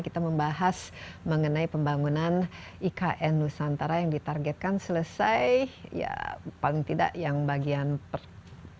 kita membahas mengenai pembangunan ikn nusantara yang ditargetkan selesai ya paling tidak yang bagian pertahanan